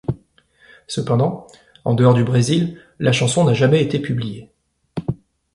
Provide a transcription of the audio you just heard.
Cependant, en dehors du Brésil, la chanson n'a jamais été publié.